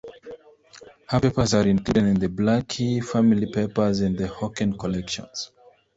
Her papers are included in the Blackie family papers in the Hocken Collections.